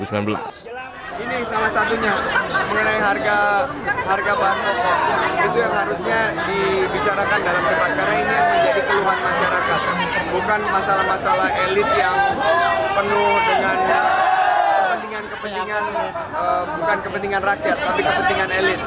kepentingan rakyat tapi kepentingan elit